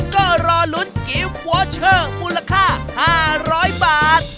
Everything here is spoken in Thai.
ก็รอลุ้นกิฟต์วอเชอร์มูลค่า๕๐๐บาท